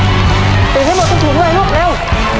ติดให้หมดทุกด้วยลูกเร็ว